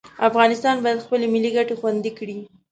افغانستان باید خپلې ملي ګټې خوندي کړي.